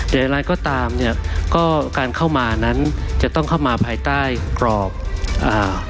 อย่างไรก็ตามเนี้ยก็การเข้ามานั้นจะต้องเข้ามาภายใต้กรอบอ่า